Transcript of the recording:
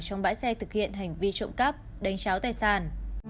trong bãi xe thực hiện hành vi trộm cắp đánh cháo tài sản